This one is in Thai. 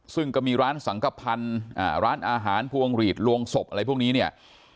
ซึ่งก็มีร้านสังกภัณฑ์ร้านอาหารพวงหลีดลวงศพอะไรพวกนี้เนี่ย